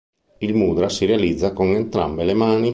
Il mudra si realizza con entrambe le mani.